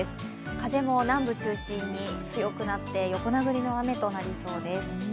風も南部中心に強くなって横殴りの雨となりそうです。